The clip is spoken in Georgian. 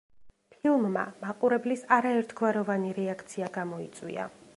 ფილმმა მაყურებლის არაერთგვაროვანი რეაქცია გამოიწვია.